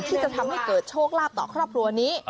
ที่จะทำให้เกิดโชคลาภต่อครอบครัวนี้